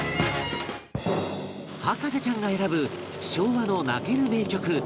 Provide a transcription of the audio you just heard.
博士ちゃんが選ぶ昭和の泣ける名曲